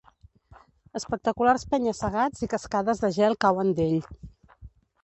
Espectaculars penya-segats i cascades de gel cauen d'ell.